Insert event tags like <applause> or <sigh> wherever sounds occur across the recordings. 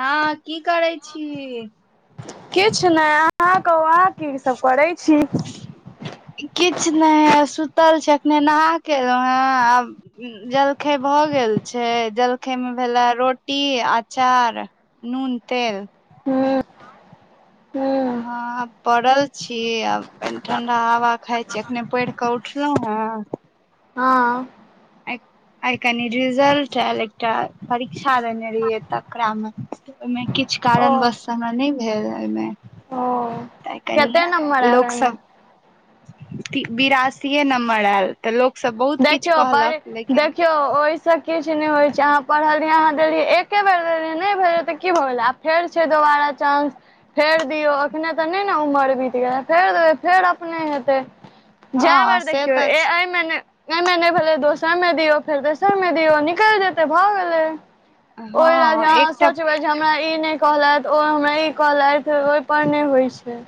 हँ की करै छी? किछु नहि अहाँके अहाँ कसबकरै छी। किछु नहि है सुतल छै एखने नहााक द हें आब जलखै भ गेल छै। जलखै मे भेला रोटी, अचार नून, तेल हूँ हूँ ह आ पड़ल छी, आब पैन ठंडा हवा खाय छी, अखने पैढ़ कऽ उठलहुँहेँ हँ। ऐंक- आय कनी रिजल्ट ऐल एकटा परीक्षा देने रहियै तकरा में ओयमे किछु ओ कारणवश हमरा नय भेल ओयमे। ओ तऽ आय कनि कते नम्बर आयल लोक ओहिमे सब्- बि-बिरासीए नम्बर ऐल तऽ लोक सब बहुत किछ कहलक, लेकिन स किछ नय होइ छै, अहाँ पढ़ल रहियै, अहाँ देलियय एक्के बेर देलियै, नय भेलै तऽ की भऽ गेलै आब फेर छै दोबारा चान्स। फेर दियौ, एख्खने तऽ नय ने उमर बीत गेलय, फेर देबै, फेर अपने हेतै। जै हँ बेर से देखियौ, तऽ ए छै -अयमे नय अय मे नय भेलै, दोसर मे दियौ, फेर तेसर मे दियौ, निकैल जेतय भऽ गेलै। ओयलय हँ जे अहां एकटा सोचबै जे हमरा ई नय कहलैथ ओ हमरा ई कहलैथ ओय पर नय होइ छै।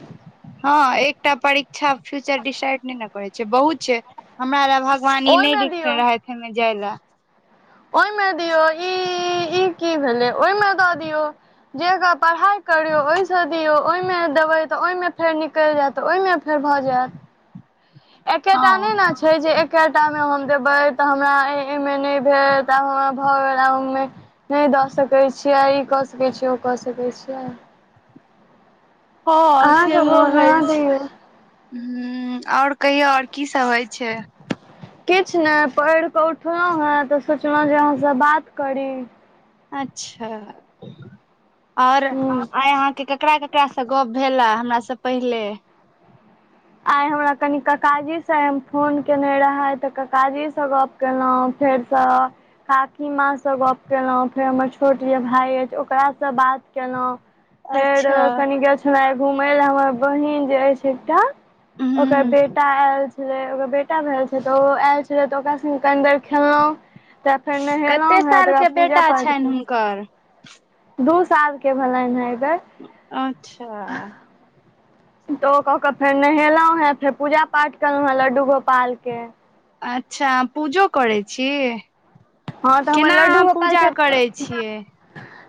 ह एकटा परीक्षा फ्यूचर डिसाइड नय ने करै छै, बहुत छै, हमरा ल- वानी नय ओहिमे दियौ लिखने रहैत अत में जाय लय। ओय मे दिऔ ई--ई की भेले? ओयमे दऽ दिऔ। जेग पढ़ाई करियौ ओय स दियो। ओयमे देबै तऽ ओयमे फेर निकैल जैत, ओयमे फेर भऽ जैत। एक्के टा हँ नैने छै। छै जे एक्के टामे हम देबै तऽ हमरा अय-एयमे नय भेल त आब हमरा भऽ गेल आ हम नय नय दऽ सकै छियै ई कऽ सकै छियै ओ कऽ सकै छियै। हँ अहाँके सेहो मोन होइ अहाँ छै। दियौ हुऔर कहियौ और की सब होइ छै? किछ नय पैढ कऽ उठलहुँहेँ तऽ सोचलहुँ जे अहाँसँ बात करी। अच्छा और ह आइ अहाँके ककरा कक्- कासँ गप भेलै हमरा से पहिले? आइ हमरा कनि ककाजी से हम फोन केने रहैथ तऽ ककाजी से गप केलौं फेरसँ। काकी माँसँ गप्प केलौं, फेर हम्मर छोट जे भाय अइछ ओकरासे बात केलौं फेर ओ अच्छा कनि गेल छलौं घूमय लय, हम्मर बहिन जे अइछ एकटा। ओकर ह बेटा एल छलै ओकर बेटा भेल छल तऽ ओ ऐल छलै तऽ ओकरा सङ्गे कने देर खेललौंह। तऽ फेर नहेलहुँहें त ओकरा पूजा पाठ- कर- दू साल के भेलैनहें अय बेर। अच्छा। तऽ ओ कऽ कऽ फेर नहेलहुँहेँ फेर पूजा पाठ केलहुँहेँ लड्डू गोपालके। अच्छा पूजो करै छी। हँ तऽ हमर केना लड्डू अहाँ गोपाल पूजा करै छथि छियै?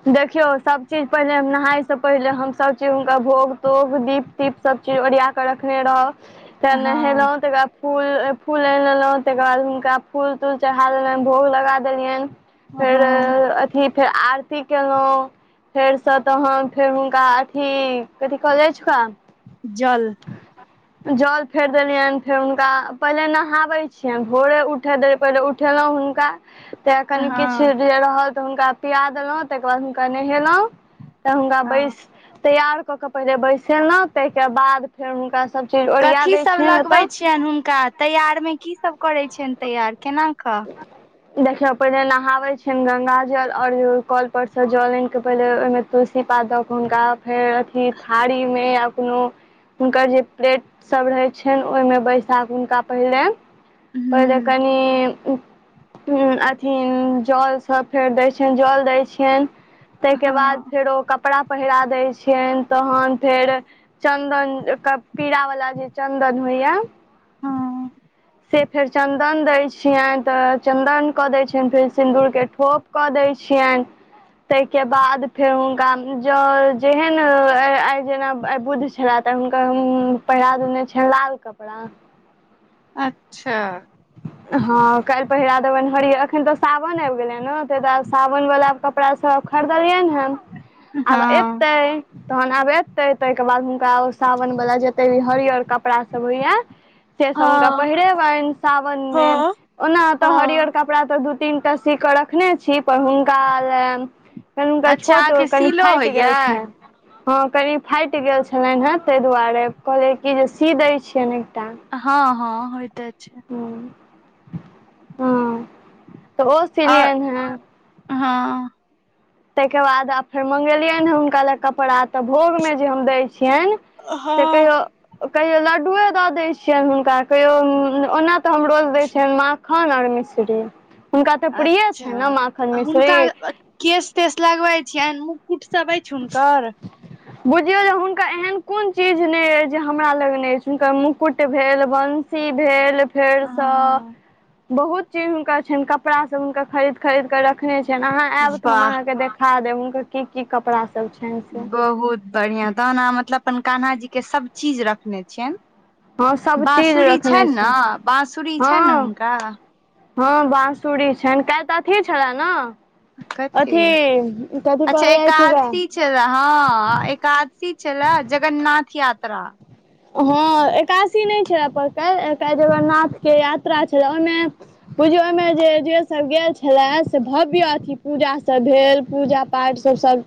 देखियौ सभचीज पहिले नहायसँ पहिले हम सभचीज हुनका भोग- तोग, दीप दीप सब चीज ओरिया के रखने रहब त हँ नहेलहुं तेकरा फूल -फूल ऐन लेलहुँ तकर बाद हुनका फूल- तूल चढा देलियैन, भोग लगा देलियैन हँ फेर- अथि, फेर आरती केलौं। फेरसँ तहन फेर हुनका अथी कथी कल जाय छै <unintelligible> जल। जल फेर देलियनि, फेर हुनका पहिले नहाबै छियनि भोरे उठे देरी पहिले उठेलहुॅं हुनका तऽ कनि हँ किछ जे रहल तऽ हुनका पिया देलहुँ ताहिके बाद हुनका नहेलहुँ तऽ हुनका हँ बैसलौ तैयार कऽ केऽ पहिले बैसेलहुॅं ताहिके बाद फेर हुनका सभ चीज ओरिया कथी दै सब छियै ने ओतऽ लगबै छियनि हुनका तैयार मे की सब करै छियनि तैयार केना कऽ देखियौ पहिले नहाबे छियैन गंगा जल और कल पर से जल आनि के पहिले ओहि मे तुलसी पात द के हुनका फेर अथी थारी मे या कोनो हुनकर जे प्लेटसभ रहै छनि ओहिमे बैसा के हुनका पहिनेे ओहिमे हूँ कनि अथि जल सब फेर दै छियनि जल दै छियनि ताहिके बाद हँ फेर ओ कपड़ा पहिरा दै छियनि तखन फेर चन्दन के पीड़ा वाला जे चन्दन होइये हँ। से फेर चन्दन दै छियनि तऽ चन्दन कऽ दै छियनि फेर सिन्दूरके ठोप कऽ दै छियनि ताहिके बाद फेर हुनका ज जेहन आइ जेना बुध छेला तऽ हुनका पहिरा देने छियैन लाल कपड़ा। अच्छा। हँ काल्हि पहिरा देबैन हरियर, एखन तऽ सावन आबि गेलै ने ताहि दुआरे सावन वला कप कपड़ा सब खरीदलियै हन हँ आब एतै तहन आब एतै, ताहिके बाद हुनका सावन वला जतेक भी हरियर कपड़ासभ होइए से सब हुनका हँ पहिरेबनि सावन मे, हँ ओना तऽ हँ हरियर कपड़ा तऽ दू तीन टा सी क रखने छी पर हुन कनि हुनकर अच्छा छोट अहाँके कनि सीलो फाटि होइया गेल छैन हँ कनी फाटि गेल छलनि हेँ ताहि दुआरे कहलियै की जे सी दै छियनि एकटा हँ हँ होयते छै। ह हँ तऽ ओ आओर सिलियन हन। हँ। ताहिके बाद आब फेर मँगेलियै हन हुनका ले कपड़ा तऽ भोगमे जे हम दै छियनि से हँ कहियौ कहियो लड्डुए दऽ दैत छियनि हुनका, कहियो, ओना तऽ हम रोज दैत छियनि माख माखन और मिश्री, हुनका तऽ प्रिये छनि ने माखन अच्छा मिश्री। हुनका केश तेश लगबै छियनि, मुकुट सब अछि हुनकर। बुझियौ जे हुनका एहन कोन चीज अछि जे हमरा लग नहि अछि, हुनकर मुकुट भेल वंश सी भेल फेर सब हँ बहुत चीज हुनकर छनि, कपड़ा सब हुनका खरीद खरीद कऽ रखने छियनि, अहाँ आयब तऽ हम वाह अहाँकेँ देखा देब हुनकर की की कपड़ा सब छनि से। बहुत बढ़िया, तखन अहाँ मतलब अपन कान्हा जी के सब चीज रखने छियनि। हँ सब चीज बाँसुरी रखने छनि छै ने बाँसुरी छनि ने हँ हुनका हँ बाँंसुरी छनि, काल्हि तऽ अथी छलैन ने कथी अथी कथी कहल जाइ छै ओकरा छल हँ एकादशी छले, जगन्नाथ यात्रा हँ एकादसी नहि छले काल्हि जगन्नाथके यात्रा छल ओहिमे बुझियौ ओहिमे जे जेसभ गेल छले से भव्य अथी पूजासभ भेल पूजा पार्ट सभ, सभ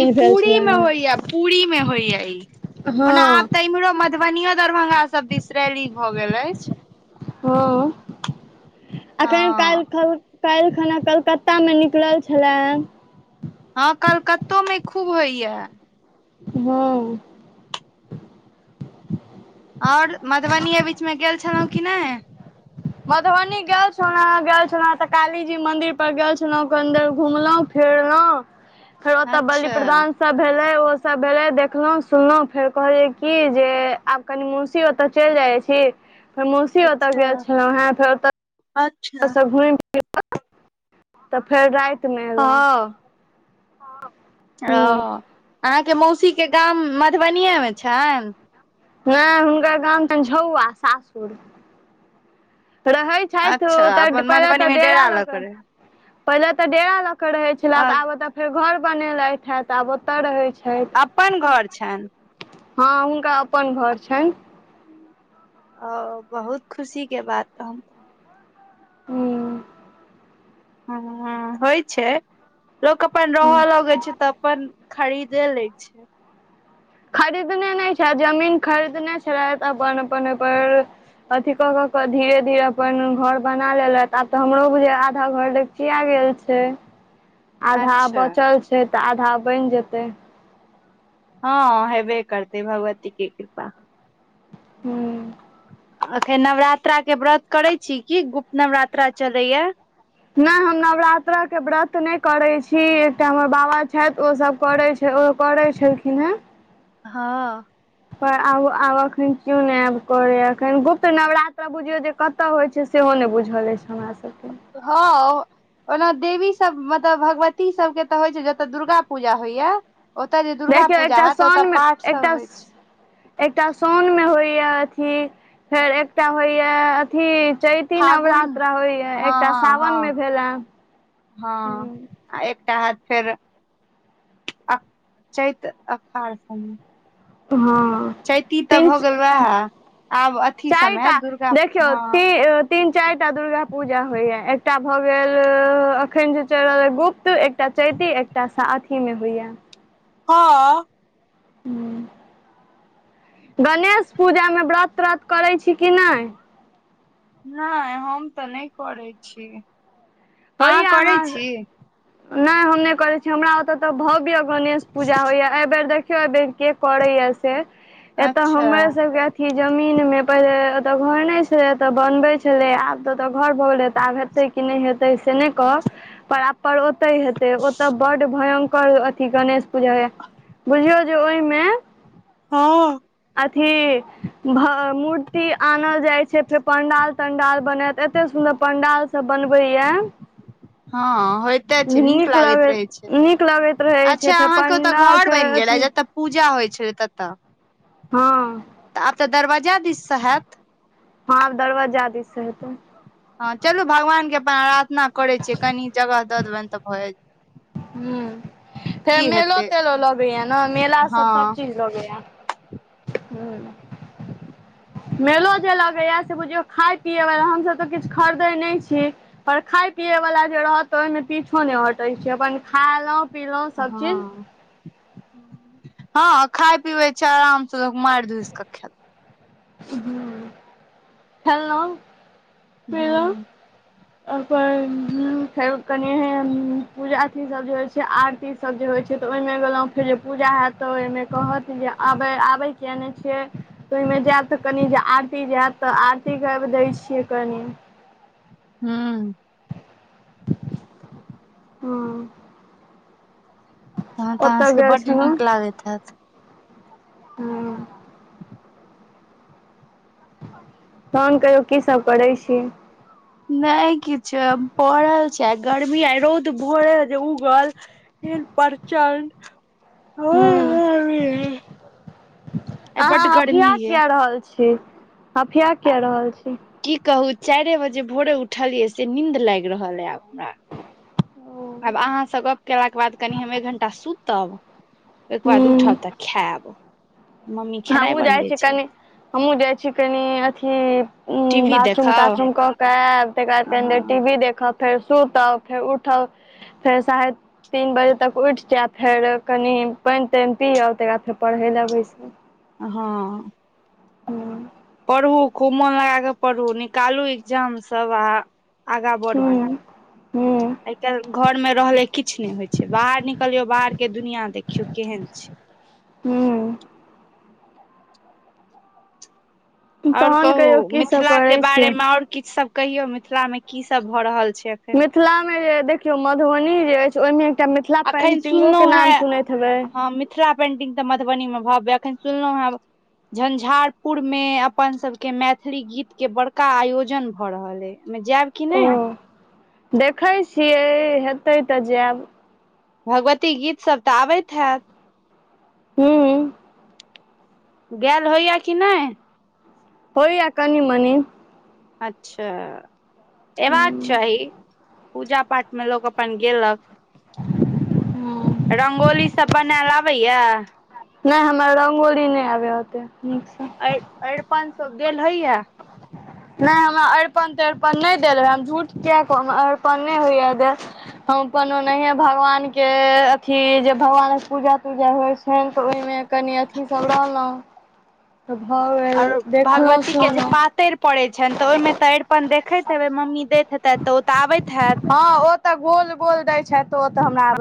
ई भेल पूरी मे छलैन। होइया पूरी मे होइय ई, ओना आब हँ तऽ इम्हरो म मधुबनयो दरभंगा सब बीस रैली भए गेल अछि। हँ, आखैन हँ काइल ख काल्हि खना कलकत्तामे निकलल छलेह। हँ, कलकत्तोमे खूब होइया। हँ। आओर मधुबनीए बीच मे गेल छलहुँं किनहि? मधुबनी गेल छलउ, गेल छल तऽ कालीजी मंदिर पर गेल छलौ, कनी देर घुमलों -फिरलहुं। <inaudible> फेर ओ तऽ बलि अच्छा प्रदानप्रदान सब भेलै, ओ सब भेलै देखलहुँ, सुनलहुँ, फेर कहै कि जे आब कनि मौसी ओतए चलि जाइ छी, फेर मौसी ओतए अच्छा गेल छलौं हें, फेर ओतए अच्छा! घूमी फिर तऽ फेर राति हँ। ओ, ह अहाँके मौसीके गाम मधुबनिेमे छनि? नहि हुनकर गाम छनि, झौआ सासुर। रहै छथि, अच्छा ओ तऽ अपन पहिले मधुबनी तऽ, मे डेरा लऽ के क पहिले तऽ डेरा लख के रहै छलेथ रहे तऽ, आब ओतऽ फेर घर बनेल है, आब ओते रहे छै। अपन घर छनि? हँ, हुनका अपन घर छनि। अ, बहुत खुशी के बात तहन। हूँ। ह होइ छै, लोक अपन हूँ रहऽ लगैत छै तऽ, अपन खरीद दे, लै छै। खरीदने नहि छैथ, जमीन खरीदने छलैथ, अपन -अपन ओप अथी कऽ कऽ के धीरे- धीरे अपन घर बना लेलथि, आब तऽ हमरो बुझे आधा घर ल किया गेल छै <inaudible> आधा अच्छा बचल छै, तऽ आधा बन जेतै। हँ हेबे करतै, भगवती के कृपा। ह्म। अखेर नवरात्रा के व्रत करे छी की? गुप्त नवरात्रा चलैया। नहि हम नवरात्रा के व्रत नहि करैत छी, एकटा हमर बाबा छथि ओसभ करैत छैथ। ओ करै छलखिन हेँ। हँ। पर आब, आब अखन क्यू नहि आब करेय, एखन गुप्त नवरात्र बुझियौ जे कतय होइत छै, कत होई छई सेहो नहि बुझल अछि हमरा सभके। हँ, ओ ओना देवी सब, मतलब भगवती सबके तऽ होइ छै, जतय दुर्गा पूजा होइया। ओतय जे दुर्गा देखियौ पूजा एकटा हयत, तऽ ओतय साउनमे पाठसभ एकटा होइत छै। एकटा सोउन मे होइया अथी, फेर एकटा होइया अथी। चैती फागुन नवरात्र होइया हँ एकटा हँ सावनमे हँ भेलए। हँ आ एकटा हेत फेर अ चैत अख अखाढ़ सभमे हाँ भऽ तीनच गेल वएह आब अथी सबमे हैत चारिटा दुर्गा देखिय हँ ती तीन चारिटा दुर्गा पूजा होइया एकटा भऽ गेल अखन जे चलि रहल गुप्त चैती एकटा सा अथी में होइया। हाँ अ गणेश पूजामे व्रत्त तत्त करै छी की नै? नै हम तऽ नहि करै छी, अहाँ करै छी? नै हम नहि करै छी हमरा ओतऽ तऽ भव्य गणेश पूजा होइया एहि बेर देख देख के करैय से एतऽ अच्छा हमर सबके अथी जमीन मे पहिले ओतय घर नहि छलै एतऽ बनबै छलै आब तऽ ओतऽ घर भऽ गेलै तऽ आब हे हेतै की नहि हेतै से नहि कहब परर ओते हेतै ओतऽ ब भयं कर अथी गणेश पूजा होइया बुझियौ जे ओहिमे हाँ अथी भ मूर्ति आनल जाई से फेर पंडाल तंडाल बनत एते सुन्दर पण्डाल सब बनबैया। हँ होय ते छै नीक लागैत लगैत रहै छै, नीक लगैत रहै छै अच्छा फेर अहाँ के ओतय पंडाल घर फेर बनि गेल अथी जत पूजा होइ छैले ततऽ। हां तऽ आब तऽ दरवाजा दिस से हयत? हाँ आब दरवाज्जा दीस से हेते। हाँ चलू भगवान के प्रार्थना करै छियै, कनि जगह दऽ देबनि तऽ भए। हूँ फेर की मेलो हेतै तेलो लगैया ने मेलाँ हँ सब चीज लगैया। हूँ मेलो जे लगैया से बुझियौ खाय पियैवला हमसभ तऽ किछ खरीदै नहि छी। पर खाय पियए वला जे रहत ओहिमे पीछो नहि हटै छै अपन खायलौ। हां हँ खाय पीबे छै, आराम से लोक मारि दीस के खैत हूँ खेललौ हां फेर कनि पूजा अ सब जे होइ छै आरती सभ जे होइ छै तऽ ओहिमे गेलहुँ फेर जे पूजा होयत तऽ ओहिमे कहत जे आबे आबै किया नहि छियै। ओहिमे जायब तऽ कनि जे आरती जायत तऽ आरती करि दैत छियै कनि। हम्म हूँ तहन तऽ अहाँ सबके बड्ड नीक लागैत हैत? हँ <inaudible> तहन कहियौ की सब करै छी? नहि किछ पड़ल छै, आ गर्मी आ रौद भोरेजे उगल हेल परचण्ड ह्म्म आइ बड्ड अहाँ गर्मी हफिया ये किया रहल छी? जी अफिया किया रहल छी? की कहू चाइरे बजे भोरे उठलियै से नींन्द लाइग रहल अय आब हमरा आब अहाँ सँ गप केलाक बाद कनि हम एक घण्टा सुत तब ओय के बाद हूँ उठब तऽ खैब हमहुँ जाइ छी कनि हमहुँ जाइ छी कनि अथी टी अं वी बाथरूम देखाउ ताथरूम कऽ तेब तेकर बाद कनि देर हँ टीवी देखब फेर सुतब फेर उठब फेर सा तीन बजे तक उठि जाय फेर कनि पइन तइन पियब तेकर बाद फेर पढ़य लै बैसब हँ हुँ पढ़ू खूब मोन लगा कऽ पढ़ू निकालू इग्जाम सब आ आगा बढ़ू हूँ आइ काल्हि घर मे रहले किछ नय होइ छै बाहर निकलियौ बाहर के दुनिया देखियौ केहन छै हूँ आओर तहन कहू कहियौ की सब मिथिला के करै बारे छियै मे आओर किछ सब कहियौ मिथिलामे की सब भऽ रहल छै एखन मिथिला मे जे देखियौ मधुबनी जे अछि ओय मे टा मिथिला अखन पेन्टिंगोके सुनलहुं नाम हेँ सुनैत हेबै हँ मिथिला पेंटिंग तऽ मधुबनी मे भव्य अखन सुनलहुँ हाब झंझारपुर मे अपन सब केँ मैथिली गीत केँ बड़का आयोजन भ रहल अय ओमे जैब कि नै ओ देखै छियै हेतै तऽ जैब भगवती गीत सब तऽ आबैत हैत हूँ गैल होइया की नइ होय यऽ कनि मनी अच्छा एबाक चाही पूजा पाठ मे लोक अपन गेलक रंगोली सब बनैल आब बैया नइ हमर रंगोली नइ आबय ओतेक नीक स अरि-अरिपन सब देल होइया नइ हमरा अरिपन तरिपन नइ देल होय हम झूठ किए कह हमरा अरिपन नइ होइए देल हम अपन ओनाएहे भगवान के अथी जे भगवानक पूजा तूजा होइ छइन तऽ ओहि मे कनि अथी सब रहलउ तऽ भऽ गेल आओर देखलहुँ भगवती केँ जे सुनलहुँ पातैर पड़ै छइन तऽ ओय मे तऽ अरिपन देखैत हेबै मम्मी दैत हेतथि तऽ ओ तऽ आबैत हैत हँ ओ तँ गोल गोल दैय छै ओ तँ हमरा आबय